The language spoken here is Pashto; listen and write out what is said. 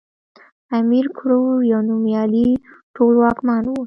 امير کروړ يو نوميالی ټولواکمن وی